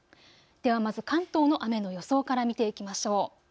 ではまず関東の雨の予想から見ていきましょう。